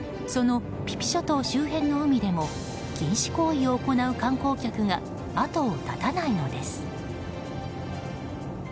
そのピピ諸島周辺の海でも禁止行為を行う観光客が後を絶たないのです。